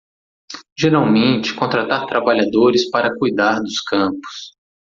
Geralmente contratar trabalhadores para cuidar dos campos